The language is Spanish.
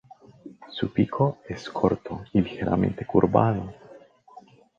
Su pico es corto y ligeramente curvado.